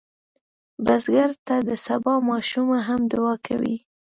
بزګر ته د سبا ماشومه هم دعا کوي